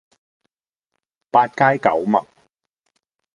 八街九陌